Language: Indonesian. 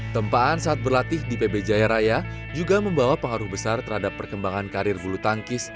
tempaan saat berlatih di pb jaya raya juga membawa pengaruh besar terhadap perkembangan karir bulu tangkis